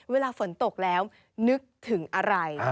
เวลาฝนตกแล้วนึกถึงอะไร